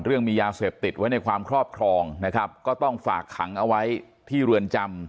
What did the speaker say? เรื่องมียาเสพติดไว้ในความครอบครองนะครับก็ต้องฝากขังเอาไว้ที่เรือนจำ